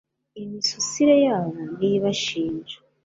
imisusire yabo ni yo ibashinja